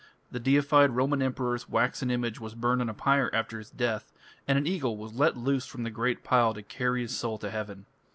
The deified Roman Emperor's waxen image was burned on a pyre after his death, and an eagle was let loose from the great pile to carry his soul to heaven.